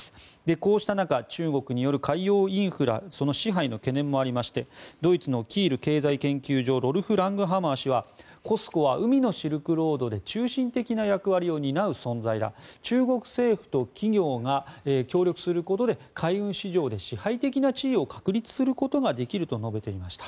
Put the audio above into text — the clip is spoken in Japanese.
こうした中、中国による海洋インフラの支配の懸念もありましてドイツのキール経済研究所ロルフ・ラングハマー氏はＣＯＳＣＯは海のシルクロードで中心的な役割を担う存在だ中国政府と企業が協力することで海運市場で支配的な地位を確立することができると述べていました。